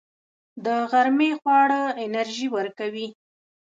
د غرمې خواړه انرژي ورکوي